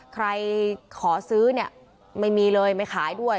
ใครขอซื้อเนี่ยไม่มีเลยไม่ขายด้วย